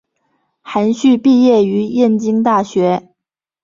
韩叙毕业于燕京大学。